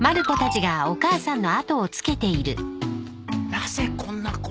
なぜこんなことを？